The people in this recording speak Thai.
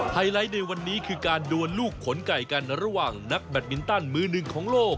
ไลท์ในวันนี้คือการดวนลูกขนไก่กันระหว่างนักแบตมินตันมือหนึ่งของโลก